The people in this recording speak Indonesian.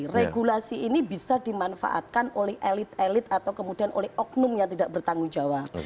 regulasi ini bisa dimanfaatkan oleh elit elit atau kemudian oleh oknum yang tidak bertanggung jawab